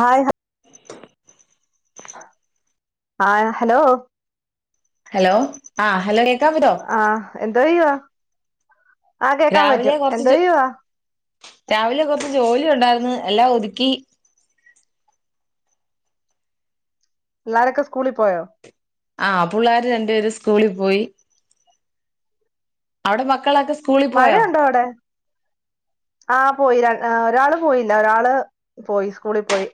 Hi hi hello hello ആഹ് hello കേക്കാൻ പറ്റോ ആഹ് എന്തോ ചെയ്യുവ ആഹ് കേക്കാൻ രാവിലെ പറ്റും കൊറച്ച് എന്തോ ജോ ചെയ്യവാ രാവിലെ കൊറച്ച് ജോലി ഉണ്ടായിര്ന്ന് എല്ലാം ഒതുക്കി ള്ളാരൊക്കെ സ്കൂളി പോയോ ആഹ് പുള്ളോര് രണ്ടു പേര് സ്കൂളിൽ പോയി അവടെ മക്കളൊക്കെ സ് മഴയുണ്ടോ അവടെ ആഹ് പോയി ഒരാള് പോയില്ല ഒരാള് പോയി സ്കൂളിപോയി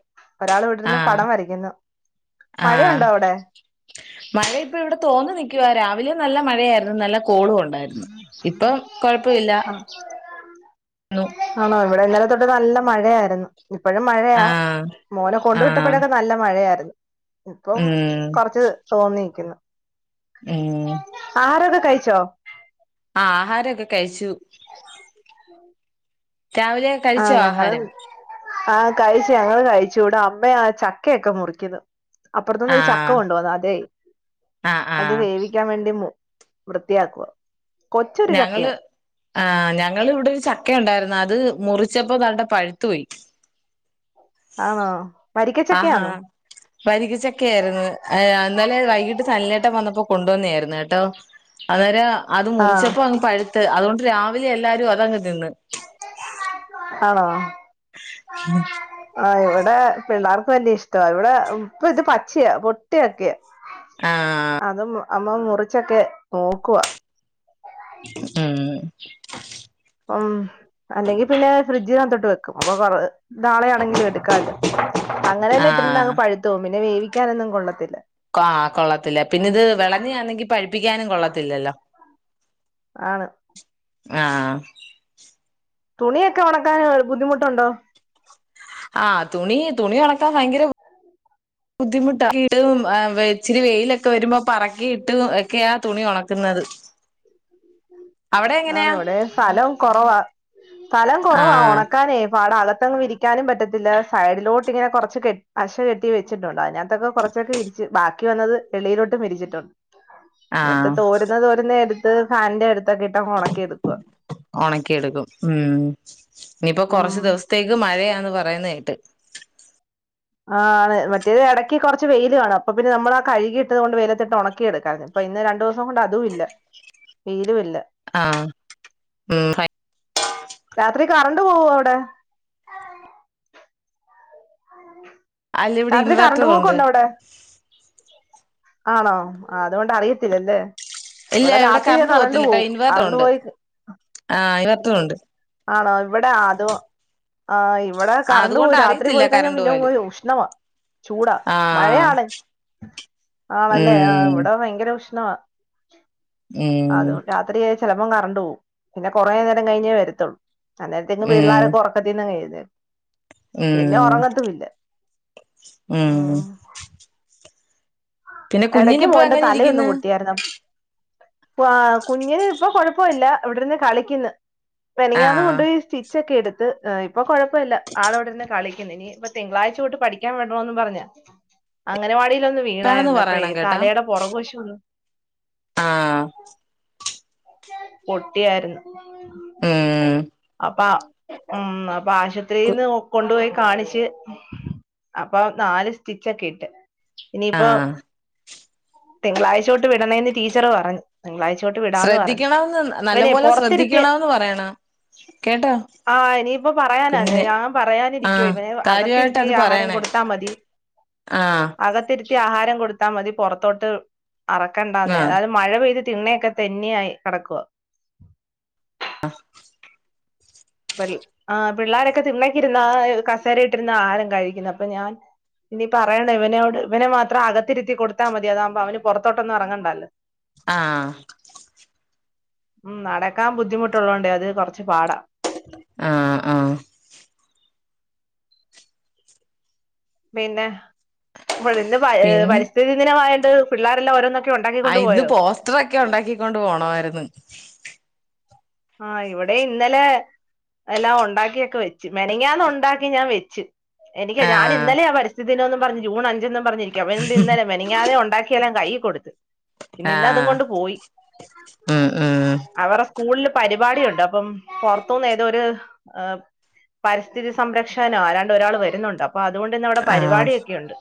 ഒരാൾ ഇവിടെര്ന്ന് ആഹ് പടം വരയ്ക്കുന്നു ആഹ് മഴയുണ്ടോ അവടെ മഴ ഇപ്പ ഇവിടെ തോന്നു നിക്കുവാ രാവിലെ നല്ല മഴയായിരുന്നു നല്ല കോളും ഒണ്ടായിരുന്നു ഇപ്പൊ കൊഴപ്പ ഇല്ലാ ആ, [unintelligible] ആണോ ഇവടെ ഇന്നലെ തൊട്ട് നല്ല മഴയായിരുന്നു ഇപ്പഴും മഴയാ ആഹ് മോനെ കൊണ്ട് ആഹ് വിട്ടപ്പോഴൊക്കെ നല്ല മഴയായിരുന്നു ഇപ്പം ഉം കൊറച്ച് തോന്നിക്കുന്നു ഏ ആഹാരൊക്കെ കൈച്ചോ ആഹ് ആഹാരൊക്കെ കയിച്ചു രാവിലെ കഴിച്ചോ ആഹ് ഞങ്ങള് ആഹാരം ആഹ് കഴിച്ചു ഞങ്ങള് കഴിച്ചൂ വ്ടെ അമ്മെ ആഹ് ചക്കയൊക്കെ മുറിക്കുന്നു അപ്പർത്തൂന്നൊരു ഒരു ചക്ക ആഹ് കൊണ്ടു വന്നു, അതേയ് ആഹ് അത് ആഹ് വേവിക്കാൻ വേണ്ടി മു വൃത്തിയാക്കുവ കൊച്ചൊരു ഞങ്ങള് ചക്കയാ ആഹ് ഞങ്ങള് ഇവിടെ ഒരു ചക്കയുണ്ടായിരുന്നു, അത് മുറിച്ചപ്പോ താണ്ടേ പഴുത്തു പോയി ആണോ വരിക്കച്ചക്കയാന്നോ പരികച്ചക്കെയായിര്ന്ന്. ഏഹ് ഇന്നലെ വൈകീട്ട് സനലേട്ടൻ വന്നപ്പോ കൊണ്ടുവന്നയേരുന്നു കേട്ടോ അന്നേരം അത് ആഹ് മുറിച്ചപ്പോ അങ്ങ് പഴുത്ത് അതുകൊണ്ട് രാവിലെ എല്ലാരും അതങ്ങ് തിന്ന് ആണോ ഉം ആഹ് ഇവിടെ പിള്ളാർക്ക് വലിയ ഇഷ്ടവ ഇവിടെ ഇപ്പ ഇത് പച്ചയാ പൊട്ടിയൊക്കെയ ആഹ് അതമ്മ അമ്മ മുറിച്ചൊക്കെ നോക്കുവാ ഉം.. പ്പം അല്ലെങ്കി പിന്നെ ഫ്രിഡ്ജിനകത്തോട്ട് വെക്കും. അപ്പൊ കൊ [unintelligible] നാളെയാണെങ്കിലും എടുക്കാല്ലോ അങ്ങനെന്നെ ഇട്ടിരുന്ന അങ്ങ് ആഹ് പഴുത്തോവും പിന്നെ വേവിക്കാനൊന്നും കൊള്ളത്തില്ല കാ കൊള്ളത്തില്ല പിന്നെത് വെളഞ്ഞയാന്നെങ്കി പഴിപ്പിക്കാനും കൊള്ളത്തില്ലല്ലോ ആണ് ആഹ് തുണിയൊക്കെ ഒണക്കാന് ബുദ്ധിമുട്ടുണ്ടോ ആഹ് തുണീ തുണി ഒണക്കാൻ ഭയങ്കര ബുദ്ധിമുട്ട് [unintelligible] ഇച്ചിരി വെയിലൊക്കെ വരുമ്പോ പറക്കിയിട്ട് ഒക്കെയാ തുണി ഒണക്കുന്നത് ആണ് വടെ സ്ഥലം കൊറവാ സ്ഥലം കൊറവാ ആഹ് ഒണക്കാനേപാടാ അകത്തങ്ങ് വിരിക് ക്ക്യാനും പറ്റത്തില്ല സൈഡിലോട്ടിങ്ങനെ കുറച്ച് കെ അശ കെട്ടി വെച്ചിട്ടുണ്ട് അയ്നാത് - ത്തൊക്കെ കൊറച്ചൊക്കെ വിരിച്ച് ബാക്കി വന്നത് വെളിയിലോട്ടും വിരിച്ചിട്ടു. ആഹ് ന്നത്തെതോരെ [unintelligible] എടുത്ത് ഫാനിന്റെ അടുത്തൊക്കെ ഇട് ഒണക്കിയെട്‌ക്കും ഉം ഇനിപ്പോ ഉം കൊറച്ച് ദിവസ് ത്തേക്ക് മഴയാന്ന് പറയുന്നകേട്ട് ആഹ് അതെ, മറ്റേത് എടക്ക് കൊറച്ച് വെയില് കാണും, അപ്പൊ പിന്ന നമ്മളാ കഴുകി ഇട്ടത് കൊണ്ട് വെയിലത്തിട്ടൊണക്കി എടുക്കാലോ അപ്പൊ ഇന്ന് രണ്ടു ദിവസം കൊണ്ട് അതും ഇല്ല, വെയിലും ഇല്ല ആഹ് ഉം രാത്രി കറണ്ട് പോവ്വോ അവിടെ അല്ല ഇവിടെ രാത്രി കറണ്ട് ഇൻവേർട്ടറുണ്ട് പോക്കുണ്ടോ അവിടെ ആണോ ആഹ് അതുകൊണ്ട് അറിയത്തില്ലല്ലേ. ഇല്ല ഇവിടെ രാത്രി കറണ്ട് പോകത്തില്ലട്ടോ പോവും, കറണ്ട് ഇൻവേർട്ടറുണ്ട് പോയി ആഹ് ഇൻവെട്ടറു ണ്ട് ആണോ ഇവിടെ അതോ ആഹ് ഇ ഇവിടെ ആഹ് കറണ്ട് പോ അതുകൊണ്ട് രാത്രി അറിയത്തില്ല പോയിക്കഴിഞ്ഞാ കറണ്ട് പിന്നെ പോയാലും [unintelligible] ഉഷ്ണവാ ചൂടാ ആഹ് മഴയാണ് ആണല്ലേ ആഹ് ഉം ഇവിടെ ഭയങ്കര ഉഷ്ണവ ഉം അത്കൊണ്ട് രാത്രിയായ ചെലപ്പോം കറണ്ട് പോവും. പിന്നെ കൊറേ നേരം കഴിഞ്ഞേ വരത്തൊള്ളൂ അന്നേരത്തെക്കും ഉം പിള്ളാരൊക്കെ ഒറക്കത്തീന്നങ്ങെഴ്നേൽക്കും ഉം ഉം പിന്നെ എടയ്ക്ക് കുഞ്ഞിനിപ്പോ മോന്റെ എങ്ങനെ തലയൊന്ന് ഇരിക്കുന്ന് പൊട്ടിയാര്ന്ന ആഹ് കുഞ്ഞിന് ഇപ്പൊ കൊഴപ്പല്ല ഇവിടെ ഇര്ന്ന് കളിക്ക്ന്ന് മിനിഞ്ഞാന്ന് ആഹ് കൊണ്ടോയി സ്റ്റിച്ചോക്കെ എട്ത്ത് ഇപ്പൊ കൊഴപ്പല്ല ആള് ഇവടെ ഇരുന്ന് കളിക്ക്ന്ന് ഇനി തിങ്കളാഴ്ച്ച തൊട്ട് പഠിക്കാൻ വിടണോന്ന് പറഞ്ഞാ അങ്കനവാടിലൊന്ന് വർത്താനൊന്ന് വീണായിരുന്നു അപ്പഴേ പറയണം കേട്ടോ തലേടെ പൊറക് വശൊന്ന് ആഹ് പൊട്ടിയായിര്ന്ന് ഏഹ് അപ്പ ഉം അപ്പൊ കു ആശുപത്രീന്ന് കൊണ്ടുപോയി കാണിച്ച് അപ്പൊ നാല് സ്റ്റിച്ചോക്കെ ഇട്ട് ഇനിയിപ്പോ ആഹ് തിങ്കളാഴ്ച്ച തൊട്ട് വിടണേന്ന് ടീച്ചറ് പറഞ്ഞു തിങ്കളാഴ്ച്ച തൊട്ട് വിടാന്ന് പറ ക്കണോന്ന് നല്ല പോലെ ശ്രദ്ധിക്കണോന്ന് പറയണം കേട്ടോ ആഹ് ഇനിയിപ്പോ പറയാനാന്നെ കുഞ്ഞിനെ ഞാൻ പറയാനിരിക്കുവാ ആഹ് ഇവനെ കാര്യമായിട്ട് അകത്തിരുത്തി അത് ആഹാരം പറയണേ കൊടുത്താ മതി ആഹ് ത്തി ആഹാരം കൊടുത്താ മതി പുറത്തോട്ട് അറക്കണ്ടാന്നേ ആഹ് ഏതായാലും മഴ പെയ്ത് തിണ്ണയൊക്കെ തെന്നി ആയി കെടക്കുവാ ആഹ് ആഹ് പിള്ളേരൊക്കെ തിണ്ണക്കിരുന്നാ കസേര ഇട്ടിര്ന്നാ ആഹാരം കഴിക്കുന്നെ അപ്പം ഞാൻ ഇനി പറയണം ഇവനോട് ഇവനെ മാത്രം അകത്തിരുത്തി കൊടുത്താ മതി അതാവുമ്പോ അവന് പുറത്തോട്ടൊന്നും എറങ്ങണ്ടല്ലോ ആഹ് ഉം നടക്കാൻ ബുദ്ധിമുട്ട്ള്ളൊണ്ടേ അത് കൊറച്ച് പാടാ ആഹ് ആഹ് പിന്നെ ഇപ്പഴ്‌ ഇന്ന് ഏ പിന്നെ പരിസ്ഥിതിദിനമായോണ്ട് പിള്ളേരെല്ലാം ഓരോന്ന് ആഹ് ഇന്ന് പോസ്റ്ററൊക്കെ ഉണ്ടാക്കിക്കൊണ്ട് പോണമായിര്ന്ന് ആഹ് ഇവിടെ ഇന്നലെ എല്ലാം ഉണ്ടാക്കിയൊക്കെ വെച്ച് മെനഞ്ഞാന്ന് ഉണ്ടാക്കി ഞാൻ വെച്ച് എനിക്ക് ഞാൻ ആഹ് ഇന്നലെ പരിസ്ഥിതിദിനൊന്നും പറഞ്ഞ് ജൂൺ അഞ്ച്ന്ന് പറഞ്ഞിരിക്ക [unintelligible] ഇന്നലെ മെനി നിഞ്ഞാന്നെ ഉണ്ടാക്കിയെല്ലാം കൈയ്യ് കൊട്ത്ത് പിന്നെ ഇന്ന് അതും ആഹ് കൊണ്ട് പോയി ഉം ഉം അവരെ സ്കൂള്ല് പരിപാടിയുണ്ട് അപ്പം പൊറത്തൂന്ന് ഏതോ ഒര് പരിസ്ഥിതി സംരക്ഷകനോ ആരാണ്ട് ഒരാള് വര്ന്നുണ്ട് അ അപ്പം അത്കൊണ്ട് ഇന്ന് അവിടെ ആഹ് പരിപാടിയൊക്കെണ്ട്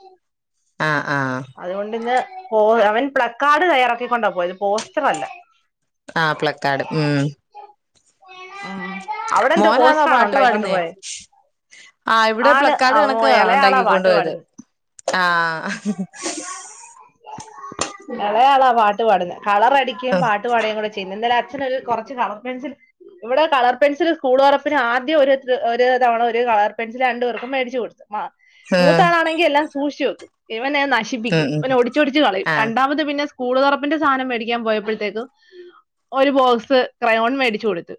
ആഹ് ആഹ് അതുകൊണ്ട് ഇന്ന് പോ അവൻ പ്ലക്കാർഡ് തയ്യാറാക്കിക്കൊണ്ടാ പോയത് പോസ്റ്ററല്ല ആഹ് പ്ലക്കാട് ഉം ഉം അവിടെ എന്തോ മോനാന്നോ പോസ്റ്ററാണോ പാട്ട് ഉണ്ടാക്കിക്കൊണ്ട് പാടുന്നേ പോയെ ആഹ് ഇവിടെ ആണ് പ്ലക്കാട് അവ കണക്കാ ഇളയാളാ ഇണ്ടാക്കി കൊണ്ട് പാട്ട് പോയത് പാടുന്നെ ആഹ് എളയാളാ പാട്ട് പാടുന്നെ കളറ് അടിക്കും ഉം പാ ട്ട് പാടേം കൂടെ ചെയ്യുന്നെ ഇന്നലെ അച്ഛനൊര് കൊറച്ച് കളർ പെൻസിൽ ഇവിടെ കളർ പെൻസിൽ സ്കൂൾ തോറപ്പിന് ആദ്യം ഒരു ഒരു തവണ ഒരു കളർ പെൻസിൽ രണ്ടു പേർക്കും മേടിച്ച് കൊട്ത്ത് മാ മൂത്താളാണെങ്കി എല്ലാം സൂക്ഷിച്ച് വെക്കും ഇവന് നശ് ഉം ശിപ്പിക്കും ഉം ഇവന് ഒടിച്ചോടിച്ച് കളയും ആഹ് രണ്ടാമത് പിന്നെ സ്കൂള് തോറപ്പിന്റെ സാധനം മേടിക്കാൻ പോയപ്പോഴത്തേക്കും ഒര് ബോക്സ് ക്രയോൺ മേടിച്ച് കൊട്ത്ത്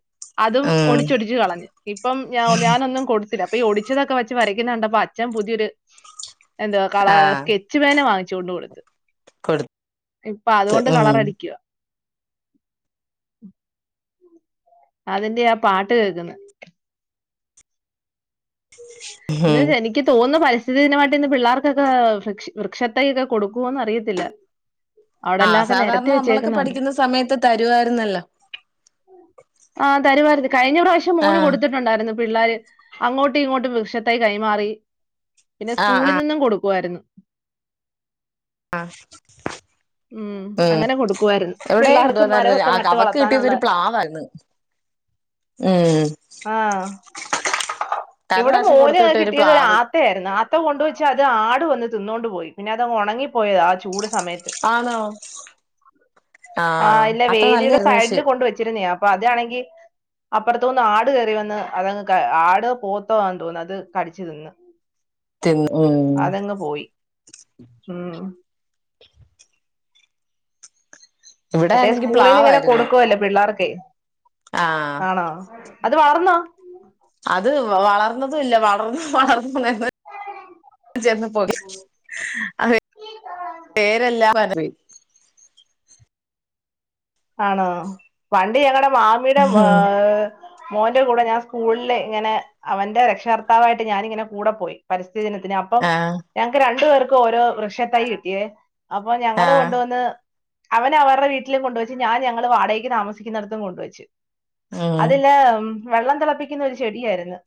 അതും ഉം ഒടിച്ചൊടിച്ച് കളഞ്ഞ് ഇപ്പം ഞാ ഞാനൊന്നും കൊട്ത്തില്ല അപ്പ ഈ ഒടിച്ചതൊക്കെ വെച്ച് വരയ്ക്കുന്ന കണ്ടപ്പൊ അച്ഛൻ പുതിയൊരു എന്താ കളാ ആഹ് സ്കെച് കെച്ച് പേന വാങ്ങിച്ചു കൊണ്ട് കൊടുത്ത് കൊടു ഇപ്പൊ ത്ത് അതുകൊണ്ട് കളർ ഉം അടിയ്ക്ക് വാ അതിന്റെ ആ പാട്ട് കേക്ക്ന്ന് ഇന്നാ ഉം ശരി ഇയ്ക്ക് തോന്ന്ന്നു പരിസ്ഥിതി ദിനമായിട്ട് ഇന്ന് പിള്ളാർക്കൊക്കേ വൃക്ഷ വൃക്ഷത്തയ്യൊക്കെ കൊടുക്കുവോന്ന് അറിയത്തില്ല അവ്ടെ ആഹ് എല്ലാം ഒക്കെ സാധാരണ നെരത്തി നമ്മളൊക്കെ വെച്ചേക്കുന്ന കണ്ട് പഠിക്കുന്ന സമയത്ത് തരുവായിരുന്നല്ലോ ആ തരുവാരുന്നു കഴിഞ്ഞ പ്രാവശ്യം മോന് ആഹ് കൊടുത്ത്ട്ട് ണ്ടായിരുന്നു പിള്ളാര് അങ്ങോട്ടും ഇങ്ങോട്ടും വൃക്ഷതൈ കൈമാറി പിന്നെ ആഹ് സ്കൂളിൽ ആഹ് നിന്നും കൊടുക്കുവായിരുന്നു ആഹ് ഉം അങ്ങനെ കൊടുക്കുവാരുന്നു എവിടെയും പിള്ളാർക്ക് കൊണ്ടുവന്നായിരുന്നു മരവൊക്കെ ആഹ് നട്ട് അവക്ക് കിട്ടിയത് വളർത്താനുള്ളെ ഒരു പ്ലാവായിരുന്നു ഉം ആഹ് കഴിഞ്ഞ ഇവ്ടെ പ്രാവശ്യം മോന് കൊടുത്തു വിട്ട കിട്ടിയത് ഒരു പ്ലാവ് ആ ത്തയായിരുന്നു ആത്ത കൊണ്ടുവച്ച് അത് ആട് വന്ന് തിന്നോണ്ടു പോയി പിന്നെ അതങ് ഒണങ്ങിപ്പോയി ആ ചൂട് സമയത്ത് ആന്നോ ആ ആത്ത നല്ലേര്ന്നു പക്ഷേ വച്ചിരുന്നേ അപ്പൊ അതാണെങ്കി അപ്പറത്തൂന്ന് ആട് കേറി വന്ന് അതങ്ങ് ക ആടോ പോത്തോ ആന്ന് തോന്നുന്നു അത് കടിച്ചു തിന്ന് ത് ന്ന് ഉം ഉം അതങ്ങ് പോയി ഉം ഇവിടെ മറ്റേ ആണെങ്കി സ്കൂളിൽ നിന്ന് ഇങ്ങനെ പ്ലാവായിരുന്നു കൊടുക്കുവല്ലോ പിള്ളാർക്കെയ് ആഹ് ആണോ അത് വളർന്നോ അത് വളർന്നതും ഇല്ല വളർന്ന് വളർന്ന് [unintelligible] പേരെല്ലാം വെതറി ആണോ പണ്ട് ഞങ്ങളുടെ മാമീടെ ഉം [unintelligible] മോന്റെ കൂടെ ഞാൻ സ്കൂൾല് ഇങ്ങനെ അവന്റെ രക്ഷാകർത്താവായിട്ട് ഞാനിങ്ങനെ കൂടെ പോയി പരിസ്ഥിതി ദിനത്തിന് അപ്പം ആഹ് ഞങ് ക്ക് രണ്ടു പേർക്കും ഓരോ വൃക്ഷത്തൈ കിട്ടിയേ അപ്പൊ ആഹ് ഞങ്ങള്കൊണ്ടുവന്ന് അവന് അവറ്ടെ വീട്ടിലും കൊണ്ടുവെച്ച് ഞാൻ ഞങ്ങള് വാടകയ്ക്ക് താമസിക്കുന്നടത്തും കൊണ്ടുവെച്ചു ഉം അതില് വെള്ളം തിളപ്പിക്കുന്ന ഒരു ചെടിയായിരുന്ന്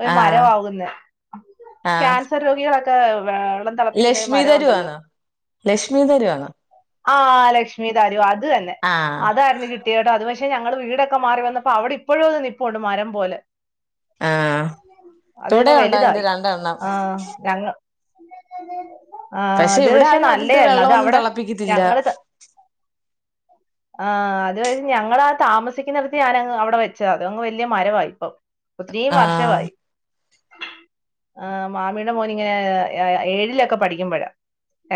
ഒരു ആഹ് മരമാകുന്നേ ക്യാൻസർ രോഗികളൊക്കെ വെള്ളത് ലക്ഷ്മിതരു വാന്നോ ലക്ഷ്മിതരു വാന്നോ ആ ലക്ഷ്മി തരു അത് തന്നെ ആഹ് അതായിര്ന്ന് കിട്ട് ട്ടി എടാ അത് പക്ഷേ ഞങ്ങള് വീടൊക്കെ മാറി വന്നപ്പോ അവിടെപ്പോഴും അത് നിപ്പുണ്ട് മരം പോലെ ആഹ് ഇവിടെ അതങ്ങ് ഉണ്ട് അതിന്റെ വലുതായി രണ്ടെണ്ണം ആ ഞങ്ങ ആ അത് ഇവിടെ പക്ഷെ ആരും അതിലിട്ട് നല്ലയായിരുന്നു അത് വെള്ളമൊന്നും അവ്ടെ തിളപ്പിക്കത്തില്ല ഞങ്ങള് ത ആ അത് ഞങ്ങളാ താമസിക്കുന്നിടത്ത് ഞാനങ് അവ്ടെ വെച്ചതാ അത് അങ്ങ് വല്യ മരവായി ഇപ്പം ഒത്തിരിയും ആഹ് വർഷമായി ആ മാമിയുടെ മോൻ ഇങ്ങനെ എ എ ഏഴിലൊക്കെ പഠിക്കുമ്പഴാ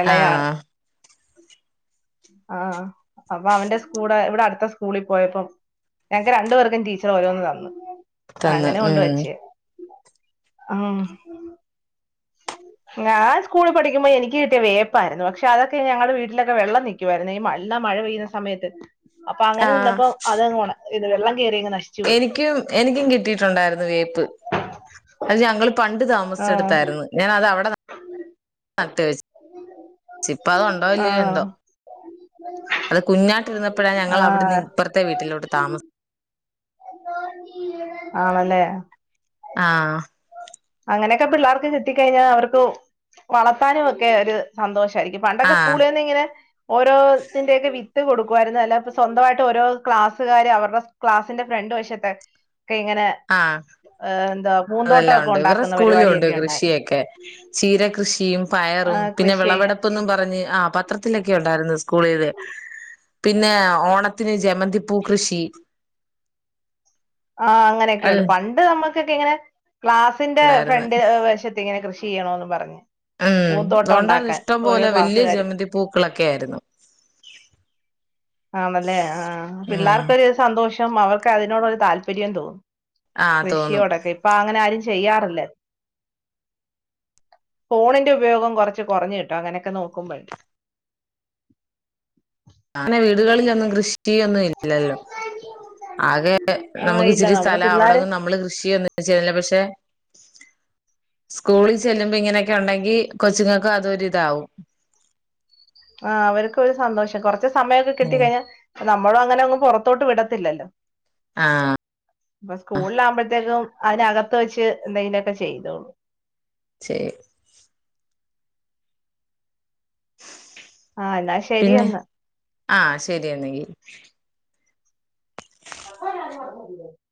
എളയയാള് ആഹ് ആ അപ്പൊ അവന്റെ സ്കൂടേ ഇവടെ അട്ത്ത സ്കൂളിൽ പോയപ്പം ഞങ്ങക്ക് രണ്ടു പേർക്കും ടീച്ചർ ഓരോന്ന് തന്ന് തന്ന് അങ്ങനെ കൊണ്ട് ഉം വച്ചേര്ന്നു ഉം ഞാൻ സ്കൂളിൽ പഠിക്കുമ്പോ എനിക്ക് കിട്ടിയ വേപ്പായിരുന്നു പക്ഷെ അതൊക്കെ ഞങ്ങളുടെ വീട്ടിലൊക്കെ വെള്ളം നിക് ക്കുവാരുന്നു ഈ നല്ല മഴ പെയ്യുന്ന സമയത്ത് അപ്പൊ അങ്ങനെ ആഹ് നിന്നപ്പോ അതങ്ങ് ഒണ ഈ വെള്ളം കേയറിയങ്ങ് നശി എനിയ്ക്കും എനിയ്ക്കും കിട്ടിയിട്ടുണ്ടായിരുന്നു വേപ്പ് അത് ഞങ്ങള് പണ്ട് താമസിച്ചെടുത്തായിരുന്നു ഞാനത് അവടെ ഉം [inaudible] നട്ട് വെച്ച് ഇപ്പ അതുണ്ടോ ഇല്ലയോ എന്തോ ആഹ് അത് കുഞ്ഞാട്ട് ഇരുന്നപ്പഴാ ഞങ്ങള് അവിടുന്ന് ആഹ് ഇപ്പറത്തെ വീട്ടിലോട്ട് താമസി ആണല്ലേ ആഹ് അങ്ങനെയൊക്കെ പിള്ളേർക്ക് ചെത്തി കഴിഞ്ഞാൽ അവർക്ക് വളർത്താനും ഒക്കെ ഒരു സന്തോഷായിരിക്കും പണ്ടൊക്കെ ആഹ് സ്കൂളേന്നിങ്ങനെ ഓരോത്തിന്റെയൊക്കെ വിത്ത് കൊടുക്കുവായിരുന്നു അല്ലാതപ്പോ സ്വന്തവാ യിട്ട് ഓരോ ക്ലാസ്സുകാര് അവരുടെ ക്ലാസ് ന്റെ ഫ്രണ്ട് വശത്തെ ഒക്കെ ഇങ്ങനെ ആഹ് ഏ എന്താ പൂന്തോട്ടം ഒക്കെ അതെല്ലാംണ്ട് ഇവരുടെ ഉണ്ടാക്കുന്ന സ്കൂളിലും ഉണ്ട് പരിപാടിയൊക്കെ ഉണ്ടായിരുന്നു കൃഷിയൊക്കെ ചീരകൃഷിയും ആ പയറും പിന്നെ കൃഷി വിളവെടപ്പെന്നും പറഞ്ഞ് ആ പത്രത്തി ത്രത്തിലൊക്കെ ഉണ്ടായിരുന്നു സ്കൂളിന്ന് പിന്നെ ഓണത്തി ത്തിന് ജമന്തി പൂ കൃഷി ആഹ് അൽ അങ്ങനെയൊക്കെയുണ്ട് പണ്ട് നമ്മുക്കൊക്കെ ഇങ്ങനെ ക്ലാസ്സിന്റെ ഉണ്ടായിരുന്നു ഫ്രണ്ട് വശ ത്തിങ്ങനെ കൃഷി ചെയ്യണോന്ന് പറഞ് ഉം തോണ്ടാ ഇഷ്ടം പോലെ വല്യ ക്ലാസ്സുകാര് ജമന്തി പൂക്കളൊക്കെ ആയിരുന്നു ആണല്ലേ ആ ഉം പിള്ളേർക്കൊരു സന്തോഷം അവർക്ക് അതിനോടൊരു താല്പര്യം തോന്നും ആ തോന്നും കൃഷിയോടൊക്കെ ഇപ്പൊ അങ്ങനെ ആരും ചെയ്യാറില്ല ഫോണിന്റെ ഉപയോഗം കൊറച്ച് കൊറഞ്ഞു കിട്ടും അങ്ങനെയൊക്കെ നോക്കുബോയെ ങ്ങനെ വീടുകളിലൊന്നും കൃഷി കൃഷിയൊന്നും ഇല്ലല്ലോ ആകെ ആ നമുക്ക് ഇല്ല ഇച്ചിരി നമ്മുടെ സ്ഥലം പിള്ളേര് അവിടെങ്ങും നമ്മള് കൃഷിയൊ [unintelligible] പക്ഷെ സ്കൂളിൽ ചെല്ലുമ്പോ ഇങ്ങനെയൊക്കെ ഉണ്ടെങ്കിൽ കൊച്ചിങ്ങൾക്ക് അതൊരിതാവും ആ അവർക്കൊരു സന്തോഷം കൊറച്ച് സമയൊക്കെ കിട്ടി കഴിഞ്ഞാ നമ്മളും അങ്ങനെ അങ്ങ് പുറത്തോട്ടൊന്നും വിടത്തില്ലല്ലോ ആഹ് ഇപ്പൊ സ്കൂളില ആകുമ്പഴത്തേക്കും അതിനകത്ത് വെച്ച് എന്തെങ്കിലൊക്കെ ചെയ്തോളും [inaudible] [inaudible] ആഹ് എന്നാ ശരിയെന്ന ആഹ് ശരിയെന്നങ്കി [inaudible]